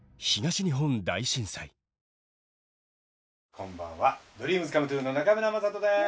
こんばんはＤＲＥＡＭＳＣＯＭＥＴＲＵＥの中村正人です。